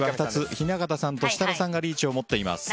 雛形さんと設楽さんがリーチを持っています。